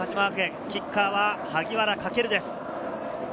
キッカーは萩原駆です。